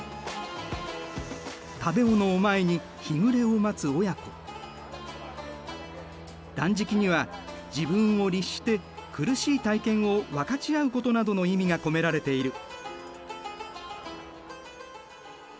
食べ物を前に断食には自分を律して苦しい体験を分かち合うことなどの意味が込められている。